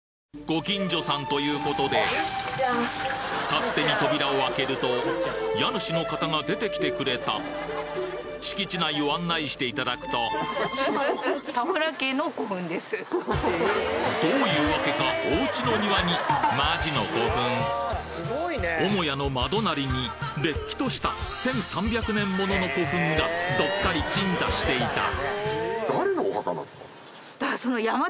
ご近所さんということで勝手に扉を開けると家主の方が出てきてくれた敷地内を案内していただくとどういうわけかおうちの庭にマジの古墳母屋の真隣にれっきとした１３００年ものの古墳がどっかり鎮座していた